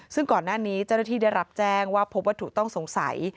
ซึ่งก่อนหน้านี้เจ้าหน้าที่ได้รับแจ้งว่าพบวัตถุต้องสงสัย